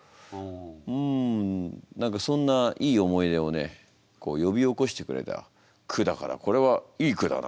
ん何かそんないい思い出をね呼び起こしてくれた句だからこれはいい句だなこれはな。